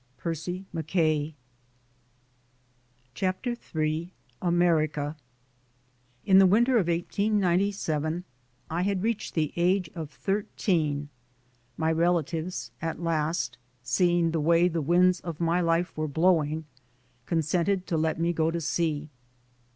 Percy MacKaye. CHAPTER in AMERICA IN the winter of 1897 I had reached the age of thirteen. My relatives, at last seeing the way the winds of my life were blowing, consented to let me go to sea.